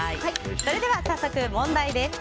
それでは早速、問題です。